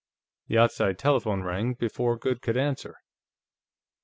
The outside telephone rang before Goode could answer.